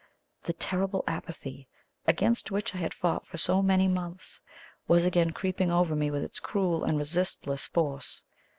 The terrible apathy, against which I had fought for so many months, was again creeping over me with its cruel and resistless force.